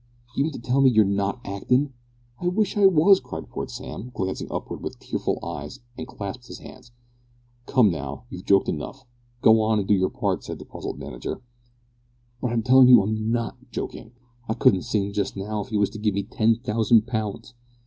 D'ye mean to tell me you're not actin'?" "I wish I was!" cried poor Sam, glancing upward with tearful eyes and clasping his hands. "Come now. You've joked enough. Go on and do your part," said the puzzled manager. "But I tell you I'm not joking. I couldn't sing just now if you was to give me ten thousand pounds!"